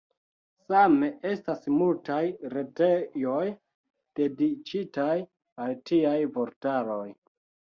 Same estas multaj retejoj dediĉitaj al tiaj vortaroj.